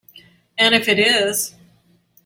And if it is?